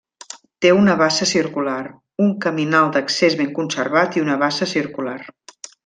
Té una bassa circular, un caminal d'accés ben conservat i una bassa circular.